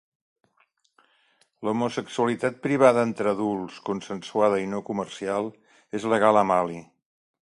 L'homosexualitat privada, entre adults, consensuada i no comercial és legal a Mali.